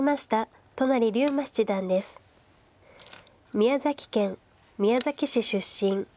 宮崎県宮崎市出身。